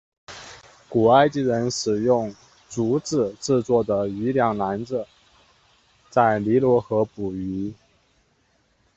古埃及人使用竹子制作的渔梁篮子在尼罗河捕鱼。